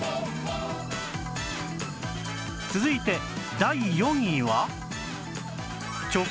続いて第４位は